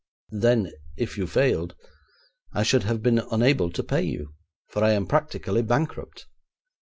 Then, if you failed, I should have been unable to pay you, for I am practically bankrupt.